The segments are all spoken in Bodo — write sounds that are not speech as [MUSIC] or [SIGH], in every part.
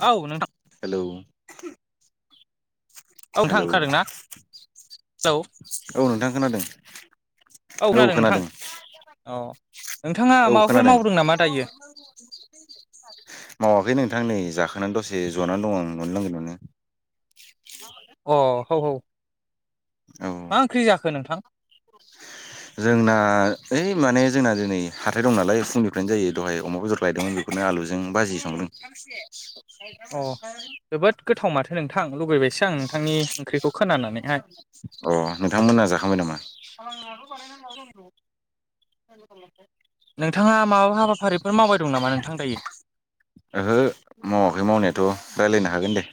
औ नोंथां हेलौ। औ नोंथां हेलौ ओंखारदों ना हेलौ। औ नोंथां खोनादों। औ खोनादों नोंथां। औ नोंथाङा औ माबाफोर खोनादों मावदों नामा दायो? मावाखै नोंथां नै जाखोनानै दसे जनानै दं आं ननि लांगोनायावनो। अ हौ हौ। औ मा ओंख्रि जाखो नोंथां? जोंना ओइ माने जोंना दिनै हाथाय दं नालाय फुंनिफ्रायनो जायो दहाय अमा बेदर लायदोंमोन बे बेनो आलुजों बाजि संदों। [INAUDIBLE] अ जोबोद गोथाव माथो नोंथां लुगैबायसो आं नोंथांनि ओंख्रिखौ खोनानानैहाय [INAUDIBLE] अ नोंथांमोना जाखांबाय नामा? [INAUDIBLE] नोंथाङा माबा हाबाफारिफोर मावबाय दं नामा नोंथां दायो? ओहो मावाखै मावनायाथ' रायलायनो हागोन हागोन दे। [INAUDIBLE]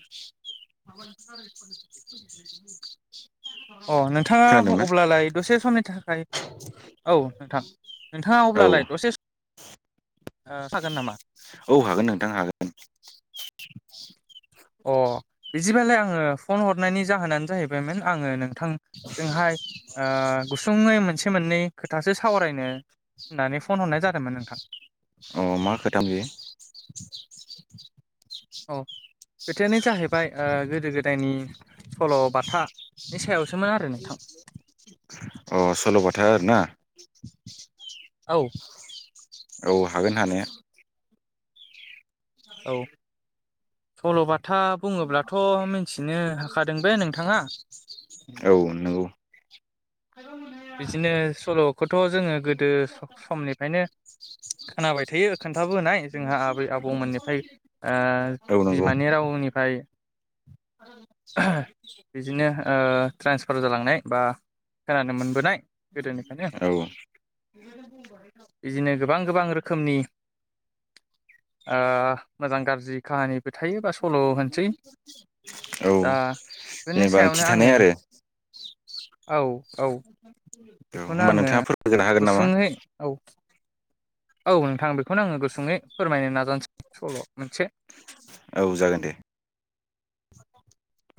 अ नोंथाङा खोनादोंना अब्लालाय दसे समनि थाखाय औ नोंथां नोंथाङा औ अब्लालाय दसे सम औ हागोन नोंथां हागोन। अ बिदिबालाय आङो फन हरनायनि जाहोनानो जाहैबायमोन आङो नोंथांजोंहाय ओ गुसुङै मोनसे मोननै खोथासो सावरायनो होननानै फन हरनाय जादोंमोन नोंथां। अ मा खोथा बे? [INAUDIBLE] औ खोथायानो जाहैबाय ओ गोदो गोदायनि सल'बाथानि सायावसोमोन आरो नोंथां। आरो ना? [INAUDIBLE] औ। औ हागोन हानाया। औ सल' बाथ था बुङोब्लाथ' मिथिनो हाखादों बे नोंथाङा। औ नंगौ। बिदिनो सल'खौथ' जोङो गोदो समनिफ्रायनो खोनाबाय थायो खोन्थाबोनाय जोंहा आबै आबौमोननिफ्राय ओ औ नंगौ बिमानि राव फुंनिफ्राय बिदिनो ओ ट्रेन्सफार जालांनाय बा नाय गोदोनिफ्रायनो [INAUDIBLE] औ बिदिनो गोब गोबां गोबां रोखोमनि [INAUDIBLE] ओ मोजां गाज्रि काहानिबो थायो बा सल' होनसै। औ दा बेनि जेनेबा ओंथि सायावनो थानाय आङो आरो औ औ। औ बेखौनो होमबा आङो नोंथाङा फोरमायग्रोनो हागोन नामा? गुसुङै औ औ नोंथां बेखौनो आङो गुसुङै फोरमायनो नाजानोसै सल' मोनसे। औ जागोन दे।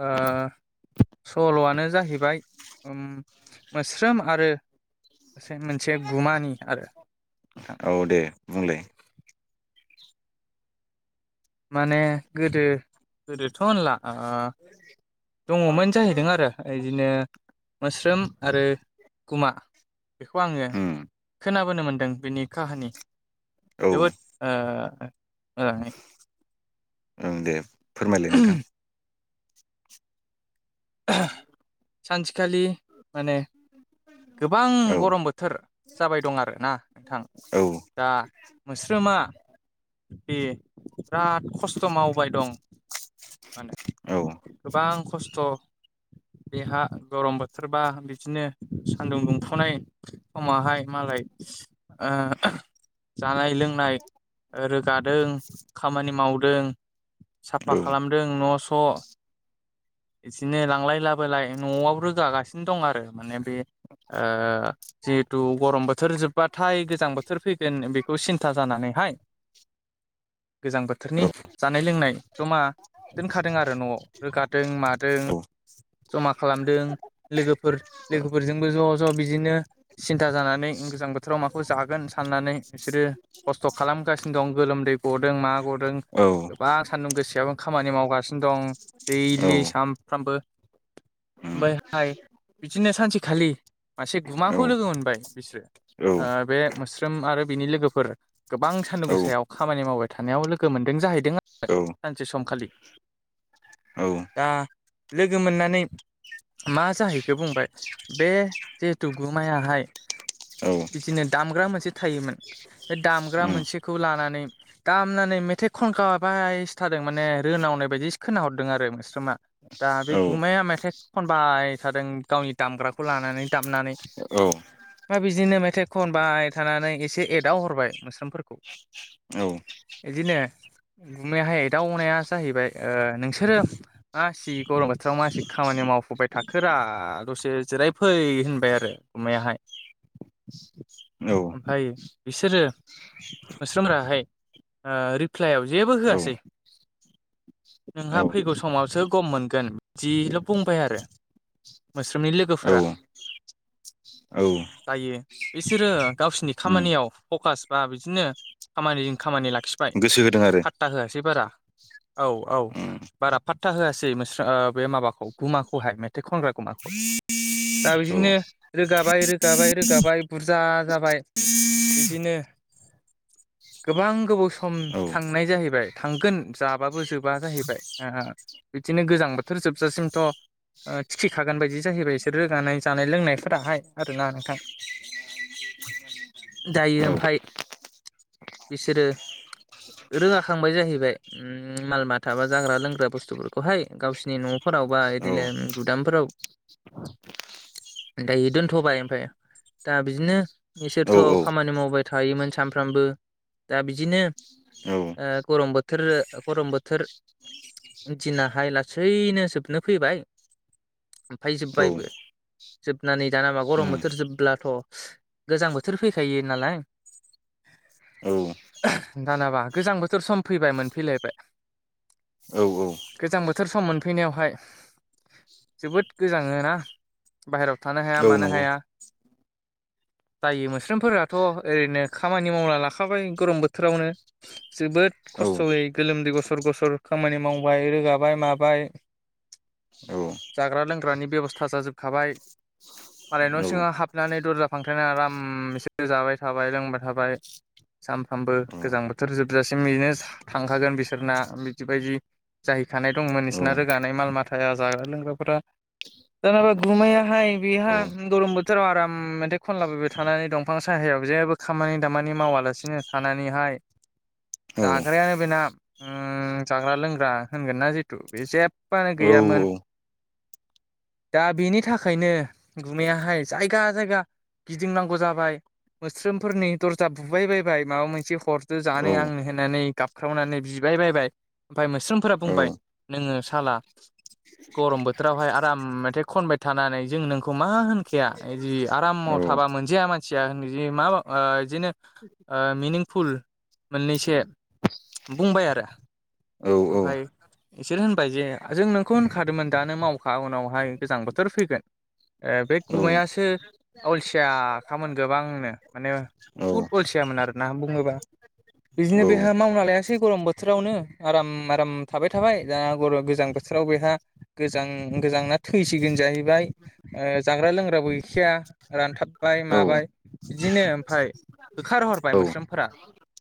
ओ सल'आनो जाहैबाय मोस्रोम आरो एसे मोनसे गुमानि आरो नोंथां। औ दे बुंलाय। माने गोदो गोदोथ' होनला आङो दङमोन जाहैदों आरो बिदिनो मोस्रोम आरो गुमा बेखौ आङो उम खोनाबोनो मोनदों बिनि काहानि औ बेव बोद आ ओं दे फोरमायलाय नोंथां। ओ सानसेखालि माने गोबां औ गरम बोथोर जाबाय दं आरोना नोंथां। औ दा मोस्रोमा दे। बिराद खस्थ' मावबाय दं मानो औ गोबां खस्थ थ'। बेहा गरम बोथोरबा बिदिनो सानदुं दुंफुनाय समावहाय मालाय [UNINTELLIGIBLE] ओह [UNINTELLIGIBLE] जानाय लोंनाय रोगादों खामानि मावदों साफा औ खालामदों न' स' इजिनो लांलाय लाबोलाय न'आव रोगागासिनो दं आरो माने बे ओ जिहेथु गरम बोथ थोर जोब्बाथाय गोजां बोथोर फैगोन बेखौ सिन्था जानानैहाय गोजां औ बोथोरनि जानाय लोंनाय जमा दोनखादों आरो न'आव रोगा दों मादों जमा खालामदों लोगोफोर लोगोफोरजों बो ज ज' ज' बिजिनो सिन्था जानानै गोजां बोथोराव माखौ जागोन साननानै बिसोरो खस्थ' खालामगासिनो दं गोलोमदै गदों मा गदों औ गोबा सान्दुं गोसायाव खामानि मावगासनो दं औ दैलि सामफ्रामबो उम ओमफायहाय बिजिनो सानसेखालि मासे औ गुमाखौ लोगो मोनबाय बिसोरो औ आ बे मोस स्रोम आरो बिनि लोगोफोर गोबां सान्दुं गोसायाव खामानि मावबाय थानायाव लोगो मोनदों जाहैदों आ [UNINTELLIGIBLE] सानसे समखालि औ दा लोगो मोननानै मा जाहैखो बुंबाय बे जिहेतु गुमायाहाय औ बिजिनो दामग्रा मोनसे थायोमोन। बे दामग्रा उम मोनसेखौ लानानै दामनानै मेथाइ खनखा बायसो थादों माने रोनाव मावनाय बायदिस खोना हरद दों आरो मोस्रोमा दा बे औ गुमाया मेथाइ खनबाय थादों गावनि दामग्राखौ लानानै दा [UNINTELLIGIBLE] नानै ओमफाय बिजिनो मेथाइ खनबाय थानानै एसे एदाव हरबाय मोस्रोमफोरखौ औ इदिनो गुमनायाहाय दाउनाया जाहैबाय ओ नोंस सोरो मासि गरम बोथोराव मासि खामानि मावफुबाय थाखोरा दसे जिराय फै [UNINTELLIGIBLE] होनबाय आरो गुमाहाय ओमफ्राय बिसोरो मोस्रोम राहाय ओ रिफ्लायाव जेबो होआसै नोंहा औ फैगौ समावसो गम मोनगोन जिल' बुंबाय आरो। मोस्रोमनि औ औ लोगोफोरा औ दायो बिसोरो गावसिनि उम खामानियाव फकास बा बिजिनो खामानिजों खामानि लाखिबाय गोसो होदों आरो फात्ता होआसै बारा औ औ उम बारा फात्ता होआसै मोस्रा ओ बे माबाखौ गुमाखौहाय मेथाइ खनग्रा गुमाखौ दा औ बिजिनो रोगाबाय रोगाबाय रोगाबाय बुरजा जाबाय बिजिनो गोबां गोबाव सम औ थांनाय जाहैबाय थांगोन जाबाबो जोबा जाहैबाय [UNINTELLIGIBLE] इदिनो गोजां बोथोर जोबजासिमथ' ओ थिखि खागोन बायदि जाहैबाय इसोरो रानाय जानाय लोंनायफोराहाय आरोना नोंथां। दायो औ ओमफाय बिसोरो रोगाखांबाय जाहैबाय उम माल माथा बा जाग्रा लों ग्रा बुस्थुफोरखौहाय गावसिनि न'फोराव बा औ इदिनो उम गुदामफोराव दायो दोनथ'बाय ओमफाय दा बिजिनो औ इसोरथ' औ उम खामानि मावबाय थायोमोन सामफ्रामबो दा बिजिनो ओ गरम बोथोर गरम बोथोर दिनाहाय लासैनो जोबनो फैबाय ओमफाय जोब्बायबो। जोबनानै दाना मा गरम बोथोर जोबब्लाथ' गोजां बोथोर फैखायो नालाय औ [UNINTELLIGIBLE] दानाबा गोजां बोथोर सम फैबाय मोनफैलायबाय औ गोजां बोथोर सम मोनफैनायावहाय जोबोद गोजाङो ना बाहेराव थानो हाया औ मानो नंगौ हाया जायो मोस्रोमफोराथ' ओरैनो खामानि मावना लाखाबाय गरम बोथोरावनो जोबोद औ खस्थ'यै गोलोमदै गसर गसर खामानि मावबाय रोगाबाय माबाय औ जाग्रा लोंग्रानि बेबस्था जाजोबखाबाय औ मालाय न' सिङाव हाबनानै दरजा फांथेना आराम एसेरो जाबाय थाबाय लोंबाय थाबाय सानफ्रामबो गोजां बोथोर जोबजासिम बेनो थांखागोन बिसोरना बिदिबायदि जाहैखानाय दंमोन इसिना रोगानाय माल माथाया जाग्रा लोंग्राफोरा दा माबा गुमैहाय बेहा गरम बोथोराव आराम मथाइ खनलाबायबाय थानानै दंफां साहै जेयाव जेबो खामानि दामानि मावालासिनो थानानैहाय जाग्रायानो बिना उम जाग्रा लोंग्रा होनगोनना जितु बे जेबानो गैयामोन। दा बेनि थाखायनो गुमैयाहाय जायगा जायगा गिदिंनांगौ जाबाय। मोस्रोमफोरनि दरजा बुबाय बायबाय माबा मोनसे हरदो जानो आंनो होननानै गाबख्रावनानै बि बिहार बायबाय ओमफ्राय मोस्रोमफोरा बुंबाय नोङो साला गरम बोथोरावहाय आराम मेथाइ खनबाय थानानै जों नोंखौ मा होनखाया जि आरामावथ थाबा मोनजाया मानसिया [UNINTELLIGIBLE] ओ बिदिनो ओ मिनिंफुल। मोननैसो बुंबाय आरो औ औ ओमफ्राय बिसोर होनबाय जे जों नोंखौ होनखादोंमोन दा नों मावखा उनावहाय गोजां बोथोर फैगोन। ए बे गुमायासो आलसिया खामोन गोबांनो माने बुहुद अलसियामोन आरोना बुङोबा बिदिनो बेहा मावना लायासै गरम बोथोरावनो। आराम आराम थाबाय थाबाय दा गर गोजां बोथोराव बेहा गोजां गोजांना थैसिगोन। जाहैबाय जाग्रा लोंग्राबो गैखाया रानथाबबाय माबाय। बिदिनो ओमफाय होखारहरबाय मोस्रोमफोरा।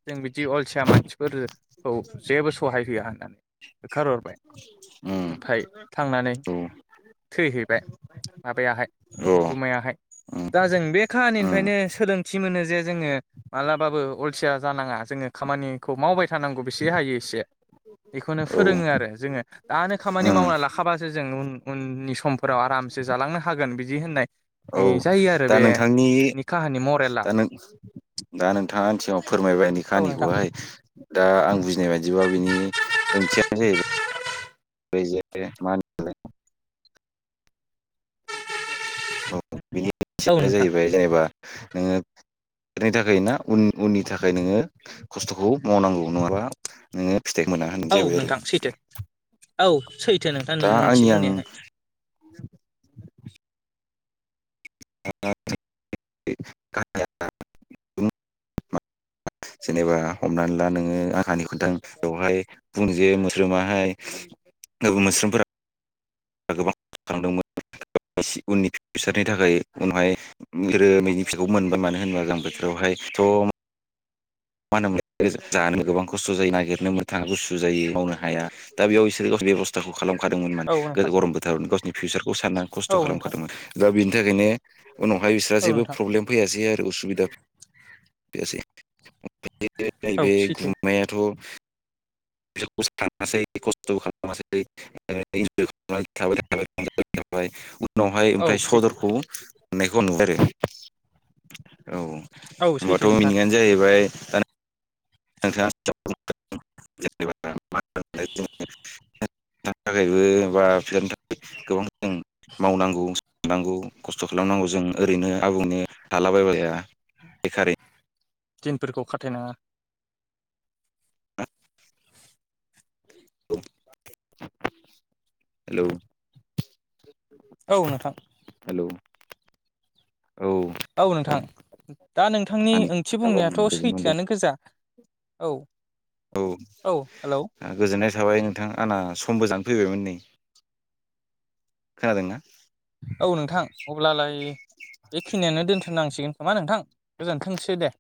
जों बिदि अलसिया मानसिफोरो खौ जेबो सहाय होया होननानै होखारहरबाय ओमफ्राय थांनानै थैहैबाय [INAUDIBLE] माबायाहाय गुमायाहाय दा जों बे खाहानिनिफ्रायनो सोलोंथि मोनो जे जोङो मालाबाबो अलसिया जानाङा जोङो खामानिखौ मावबाय थानांगौ बेसे हायो एसे बेखौनो औ फोरोङो आरो जोङो दानो खामानि औ मावना लाखाबासो जों उन उननि समफोराव आराम से जालांनो हागोन बिदि होननाय औ कि आरो बे नि काहानि मरेला दा नों दा नोंथाङा आंनि सिगाङाव फोरमायबाय नि औ नोंथां खाहानिखौहाय दा आं बुजिनाय बाय बिदिबा बिनि ओंथियानो जाहैबाय बेैज मान [UNINTELLIGIBLE] औ बेनि औ ओंथियानो नोंथां जाहैबाय जेनेबा नोङो बेनि थाखाय ना उन उननि थाखाय नोङो खस्थ'खौ मावनांगौ नङाब्ला नोङो फिथाइ मोना होनाय औ जाहैबाय आरो नोंथां सैथो औ सैथो नोंथां दा नोंथि आंनि आं बुंनायाहाय [INAUDIBLE] [INAUDIBLE] जेनेबा हमनानै ला नोङो आंहानि खोनथां बेवहाय बुं जे मोस्रोमाहाय [UNINTELLIGIBLE] मोस्रोमफोरा गोबां थालांदोंमोन उननि फिउसारनि थाखाय उनावहाय रोमैनि फिसाखौ मोनबाय मानो होनोबा मोजां बोथोरावहाय खायसेथ' मा होनोमोनल जानो गोबां खस्थ' जायो नागिरनोमोन थाङा गुसु जायो मावनो हाया दा बेयाव बिसोरो बेबस्थाखौ खालामखादोंमोन मान औ नोंथां गरम बोथोराव गावसिनि फिउचारखौ साननानै औ खस्थ' नोंथां खालामखादोंमोन दा बेनि थाखायनो उनावहाय बिस्रा औ जेबो नोंथां प्रब्लेम फैयासै आरो उसुबिदा फैयासै औ नैबे सैथो गुमनायाथ' [UNINTELLIGIBLE] फ्राय उनावहाय औ ओमफ्राय सैथो सदरखौ मोननायखौ नुबाय आरो औ औ होमबाथ सैथो नोंथां मिनिङानो जाहैबाय दा [UNINTELLIGIBLE] [UNINTELLIGIBLE] थानांगौ खस्थ' खालामनांगौ जों ओरैनो आबुंनि थालाबायबा जाया बेखारै दिनफोरखौ खाथायनाङा हेलौ औ नोंथां हेलौ औ औ नोंथां दा नोंथांनि आंनि ओंथि खोथाखौ आं बुंनायाथ' गोजोन मोनदों सैथोआनो गोजा औ औ औ हेलौ आ गोजोननाय थाबाय नोंथां आंना समबो जानो फैबायमोन नै खोनादोंना औ नोंथां होननांसिगोन खोमा नोंथां गोजोन्थोंसै दे